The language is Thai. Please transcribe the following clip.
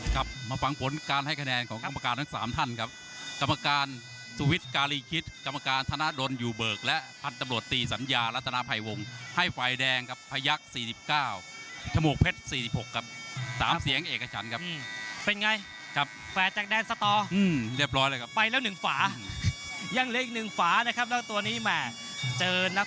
ครับมาฟังผลการให้คะแนนของกรรมการทั้งสามท่านครับกรรมการสุวิทย์การีคิดกรรมการธนดลอยู่เบิกและพันธุ์ตำรวจตีสัญญารัฐนาภัยวงให้ไฟแดงครับพยักษ์๔๙จมูกเพชร๔๖ครับ๓เสียงเอกฉันครับเป็นไงครับแฝดจากแดนสตออืมเรียบร้อยเลยครับไปแล้วหนึ่งฝายังเล็กอีกหนึ่งฝานะครับแล้วตัวนี้แหม่เจอนัก